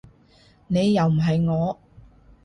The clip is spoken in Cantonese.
你又唔係我